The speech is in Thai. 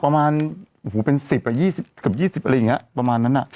ประมาณหูเป็น๑๐กับ๒๐อะไรอย่างนี้ประมาณนั้นน่ะ